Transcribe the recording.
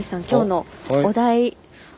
今日のお題